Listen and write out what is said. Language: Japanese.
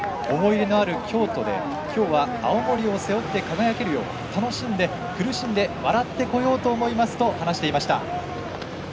思い出のある京都できょうは青森を背負って輝けるよう楽しんで、苦しんで笑ってこようと思いますと話していました。